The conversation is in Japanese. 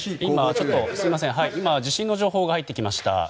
今、地震の情報が入ってきました。